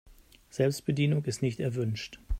Selbstbedienung ist nicht erwünscht.